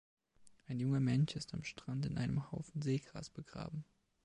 Ein junger Mensch ist am Strand in einem Haufen Seegras begraben.